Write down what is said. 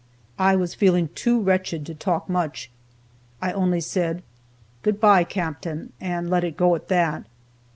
I was feeling too wretched to talk much; I only said, "Good by, Captain," and let it go at that.